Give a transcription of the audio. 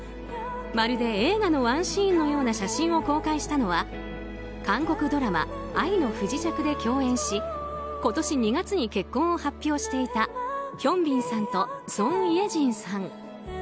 まるで映画のワンシーンのような写真を公開したのは韓国ドラマ「愛の不時着」で共演し今年２月に結婚を発表していたヒョンビンさんとソン・イェジンさん。